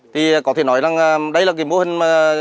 thì có thể nói rằng đây là mô hình